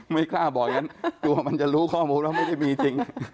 ไม่กล้าบอกอย่างนั้นกลัวมันจะรู้ข้อมูลว่าไม่ได้มีจริง